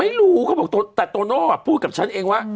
ไม่รู้เขาบอกแต่โตโน่พูดกับฉันเองว่า